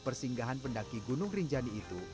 persinggahan pendaki gunung rinjani itu